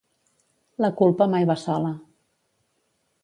La culpa mai va sola.